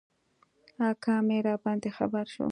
اکا مي راباندي خبر شو .